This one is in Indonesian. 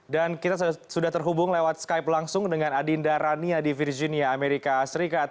dan kita sudah terhubung lewat skype langsung dengan adinda rania di virginia amerika serikat